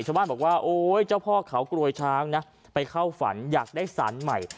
ชาวบ้านบอกว่าโอ๊ยเจ้าพ่อเขากรวยช้างนะไปเข้าฝันอยากได้สารใหม่